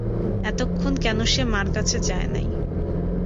এতক্ষণ কেন সে মার কাছে যায় নাই!